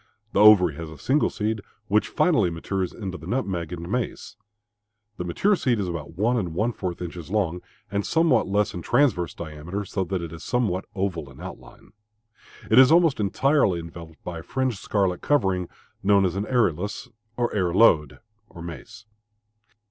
The ovary has a single seed which finally matures into the nutmeg and mace. The mature seed is about one and one fourth inches long and somewhat less in transverse diameter, so that it is somewhat oval in outline. It is almost entirely enveloped by a fringed scarlet covering known as arillus or arillode (mace).